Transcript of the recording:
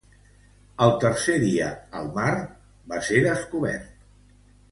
Al tercer dia al mar va ser descobert.